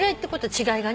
違いがね。